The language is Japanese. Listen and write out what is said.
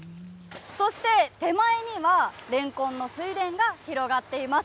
そして手前には、レンコンの水田が広がっています。